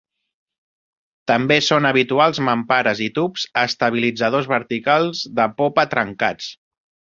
També són habituals mampares i tubs estabilitzadors verticals de popa trencats.